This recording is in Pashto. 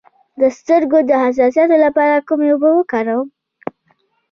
د سترګو د حساسیت لپاره کومې اوبه وکاروم؟